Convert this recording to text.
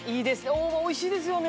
大葉美味しいですよね。